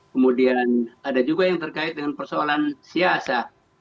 kemudian ada juga yang terkait dengan persoalan siasa